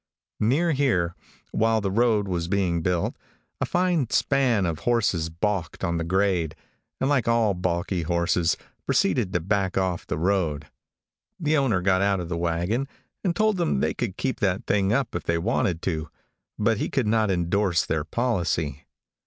Near here, while the road was being built, a fine span of horses balked on the grade, and like all balky horses, proceeded to back off the road. The owner got out of the wagon, and told them they could keep that thing up if they wanted to, but he could not endorse their policy.